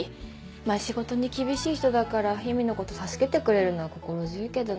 まぁ仕事に厳しい人だからゆみのこと助けてくれるのは心強いけどね。